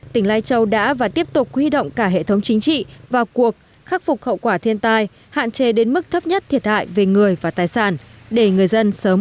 tỉnh lai châu đã và tiếp tục huy động cả hệ thống chính trị vào cuộc khắc phục hậu quả thiên tai hạn chế đến mức thấp nhất thiệt hại về người và tài sản để người dân sớm ổn